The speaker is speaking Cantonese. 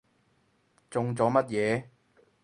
中咗乜嘢？